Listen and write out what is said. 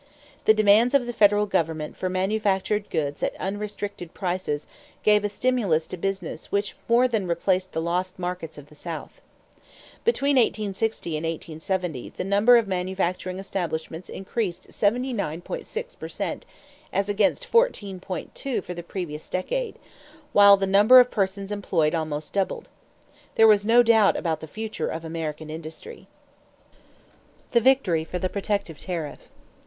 The demands of the federal government for manufactured goods at unrestricted prices gave a stimulus to business which more than replaced the lost markets of the South. Between 1860 and 1870 the number of manufacturing establishments increased 79.6 per cent as against 14.2 for the previous decade; while the number of persons employed almost doubled. There was no doubt about the future of American industry. =The Victory for the Protective Tariff.